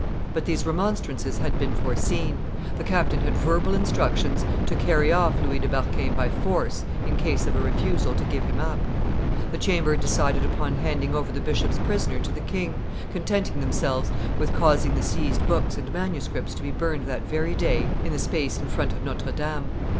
But these remonstrances had been foreseen; the captain had verbal instructions to carry off Louis de Berquin by force in case of a refusal to give him up. The chamber decided upon handing over the bishop's prisoner to the king, contenting themselves with causing the seized books and manuscripts to be burned that very day in the space in front of Notre Dame.